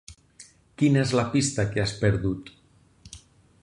Quina és la pista que has perdut?